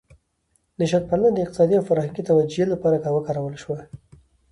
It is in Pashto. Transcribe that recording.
نژاد پالنه د اقتصادي او فرهنګي توجیه لپاره وکارول شوه.